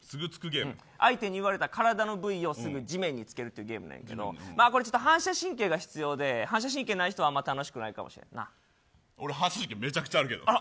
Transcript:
相手に言われた体の部位をすぐ地面につけるというゲームなんやけどこれちょっと反射神経が必要で反射神経ない人は俺、反射神経めちゃくちゃあるけどな。